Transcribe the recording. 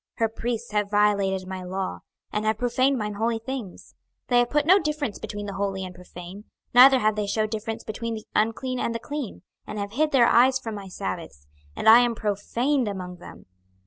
26:022:026 Her priests have violated my law, and have profaned mine holy things: they have put no difference between the holy and profane, neither have they shewed difference between the unclean and the clean, and have hid their eyes from my sabbaths, and I am profaned among them.